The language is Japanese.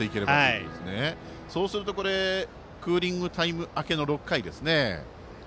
そうするとクーリングタイム明けの６回ですね。